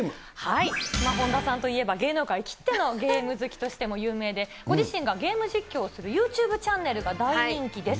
本田さんといえば芸能界きってのゲーム好きとしても有名で、ご自身がゲーム実況をするユーチューブチャンネルが大人気です。